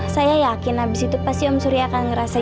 saya yakin abis itu pasti om surya akan ngerasain